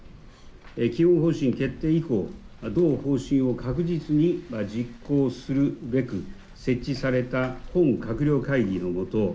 基本方針決定以降、同方針を確実に実行するべく設置された本閣僚会議のもと